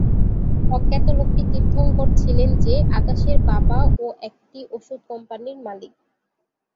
অজ্ঞাত লোকটি তীর্থঙ্কর ছিলেন যে, আকাশের বাবা ও একটি ওষুধ কোম্পানির মালিক।